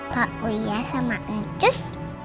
pak uya sama ncus